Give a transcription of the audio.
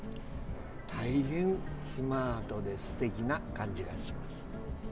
大変スマートですてきな感じがします。